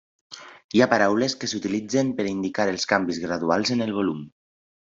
Hi ha paraules que s'utilitzen per indicar els canvis graduals en el volum.